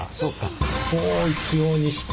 こう行くようにして。